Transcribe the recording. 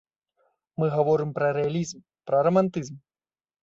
Мы гаворым пра рэалізм, пра рамантызм.